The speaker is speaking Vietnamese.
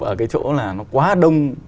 ở cái chỗ là nó quá đông